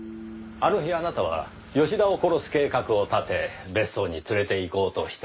あの日あなたは吉田を殺す計画を立て別荘に連れていこうとした。